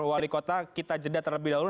wali kota kita jeda terlebih dahulu